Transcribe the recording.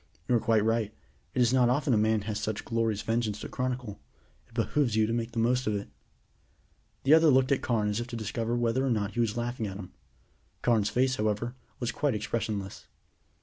"You're quite right, it is not often a man has such glorious vengeance to chronicle. It behooves you to make the most of it." The other looked at Carne as if to discover whether or not he was laughing at him. Carne's face, however, was quite expressionless.